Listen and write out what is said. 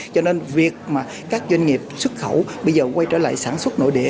cho nên việc mà các doanh nghiệp xuất khẩu bây giờ quay trở lại sản xuất nội địa